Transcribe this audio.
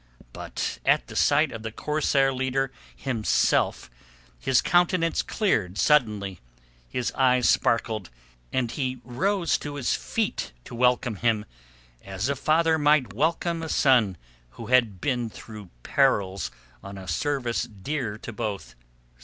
But at sight of the corsair leader himself his countenance cleared suddenly, his eyes sparkled, and he rose to his feet to welcome him as a father might welcome a son who had been through perils on a service dear to both.